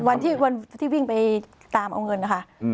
วันที่วิ่งไปตามเอาเงินนะคะ